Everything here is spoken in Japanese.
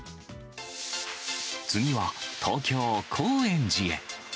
次は、東京・高円寺へ。